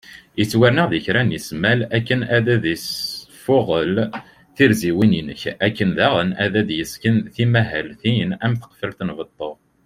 Ittwarna deg kra n ismal akken ad isfuγel tirziwin inek , akken daγen ad d-yesken timahaltin am tqefalt n beṭṭu